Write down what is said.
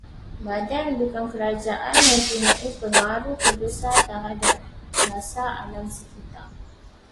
Badan bukan kerajaan mempunyai pengaruh terbesar terhadap dasar alam sekitar